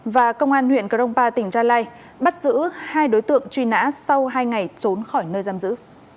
và công an huyện crongpa tỉnh gia lai bắt giữ hai đối tượng truy nã sau hai ngày trốn khỏi nơi giam giữ